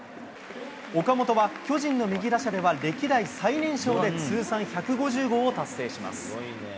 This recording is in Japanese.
岡本は巨人の右打者では歴代最年少で、通算１５０号を達成します。